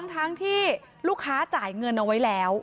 ทั้งที่ลูกค้าจ่ายเงินเอาไว้แล้ว